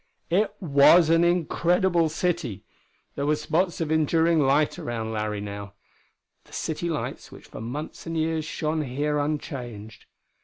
It was an incredible city! There were spots of enduring light around Larry now the city lights which for months and years shone here unchanged.